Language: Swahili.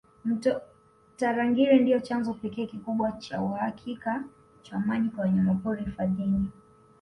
Mto Tarangire ndio chanzo pekee kikubwa na cha uhakika cha maji kwa wanyamapori hifadhini